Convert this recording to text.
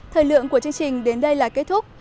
thời lượng của chương trình đến đây là kết thúc